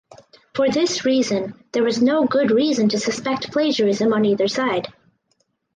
For this reason there was no good reason to suspect plagiarism on either side.